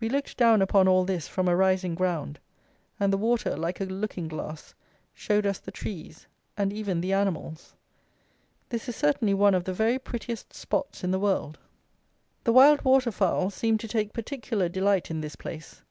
We looked down upon all this from a rising ground, and the water, like a looking glass, showed us the trees, and even the animals. This is certainly one of the very prettiest spots in the world. The wild water fowl seem to take particular delight in this place.